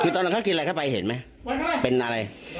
คือตอนนั้นเขากินอะไรเข้าไปเห็นไหมเป็นอะไร